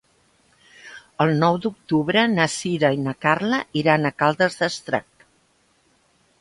El nou d'octubre na Sira i na Carla iran a Caldes d'Estrac.